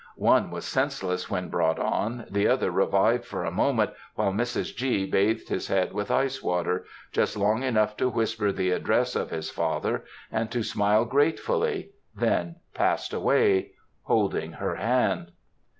One was senseless when brought on; the other revived for a moment, while Mrs. G. bathed his head with ice water, just long enough to whisper the address of his father, and to smile gratefully, then passed away, holding her hand.